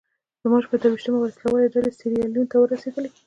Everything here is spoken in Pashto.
د مارچ په درویشتمه وسله والې ډلې سیریلیون ته ورسېدې.